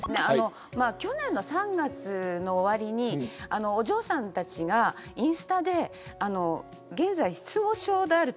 去年の３月の終わりにお嬢さんたちがインスタで現在、失語症であると。